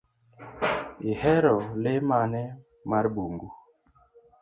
Ihero le mane mar bungu?